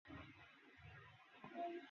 ওরা গিকটাকে দেখে ফেললে আমরা শেষ।